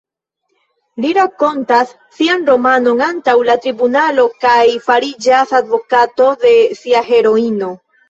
Li rakontas sian romanon antaŭ la tribunalo kaj fariĝas advokato de sia heroino...